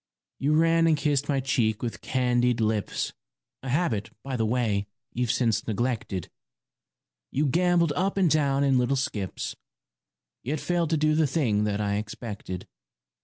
You ran and kissed my cheek with candied lips, A habit, by the way, you've since neglected ; You gambolled up and down in little skips, Yet failed to do the thing that I expected.